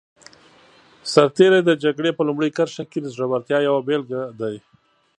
سرتېری د جګړې په لومړي کرښه کې د زړورتیا یوه بېلګه دی.